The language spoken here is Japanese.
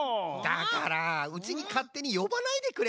だからうちにかってによばないでくれる？